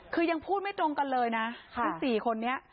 คือยังพูดไม่ตรงกันเลยนะทั้ง๔คนนี้